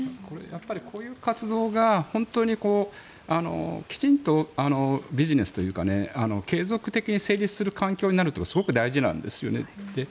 こういう活動がきちんとビジネスというか継続的に成立する環境になることがすごく大事なんですよね。